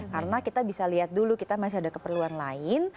karena kita bisa lihat dulu kita masih ada keperluan lain